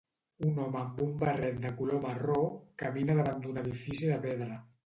Un home amb un barret de color marró camina davant d"un edifici de pedra.